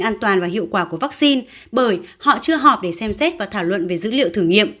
an toàn và hiệu quả của vaccine bởi họ chưa họp để xem xét và thảo luận về dữ liệu thử nghiệm